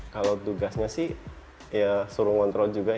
kalau tugasnya sih ya suruh ngontrol juga ya